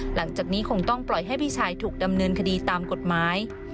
หลังจากนี้คงต้องปล่อยให้พี่ชายถูกดำเนินคดีตามกฎหมาย